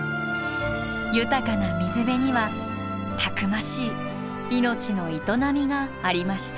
豊かな水辺にはたくましい命の営みがありました。